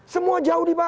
semua jauh di bawah